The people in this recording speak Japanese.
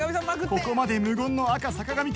ここまで無言の赤坂上艇。